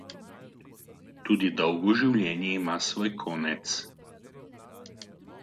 Tudi dolgo življenje ima svoj konec.